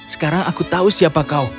sekarang aku tahu siapa kau